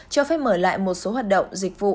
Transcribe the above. cho phép mở lại một số hoạt động dịch vụ